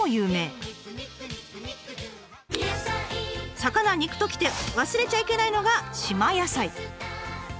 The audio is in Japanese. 魚肉ときて忘れちゃいけないのが島野菜。